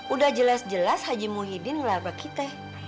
udah jelas jelas haji muhyiddin ngelarba kita